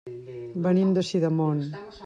Venim de Sidamon.